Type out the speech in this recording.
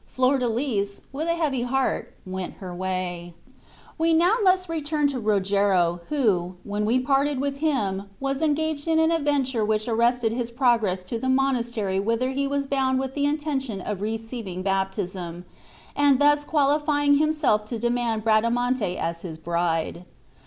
Flordelis, with a heavy heart, went her way. We must now return to Rogero, who, when we parted with him, was engaged in an adventure which arrested his progress to the monastery whither he was bound with the intention of receiving baptism, and thus qualifying himself to demand Bradamante as his bride.